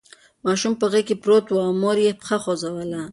ماشوم په غېږ کې پروت و او مور یې پښه خوځوله.